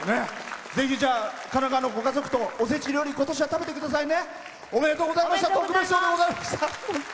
ぜひ、神奈川のご家族とおせち料理をことしは食べてくださいね。